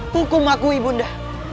hukum aku ibu bunda